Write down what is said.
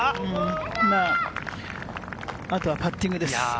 あとはパッティングです。